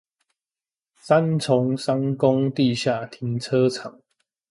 三重商工地下停車場